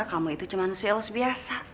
kamu itu cuma manusia lu sebiasa